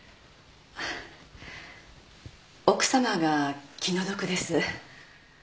奥さまが気の毒です。